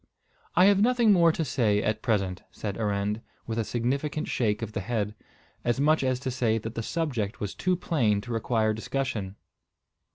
"I have nothing more to say at present," said Arend, with a significant shake of the head, as much as to say that the subject was too plain to require discussion.